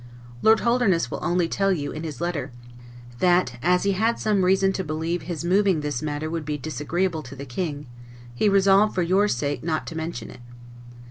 Lord Holderness will only tell you, in his letter, that, as he had some reason to believe his moving this matter would be disagreeable to the King, he resolved, for your sake, not to mention it.